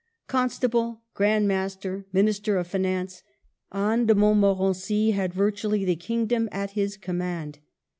Constable, Grand Master, Minister of Finance, Anne de Montmorency had virtually the kingdom at his command.